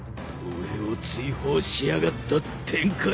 俺を追放しやがった天界？